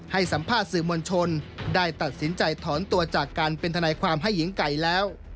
ให้สัมภาษณ์สื่อมวลชนได้ตัดสินใจถอนตัวจากการเป็นทนายความให้หญิงไก่แล้ว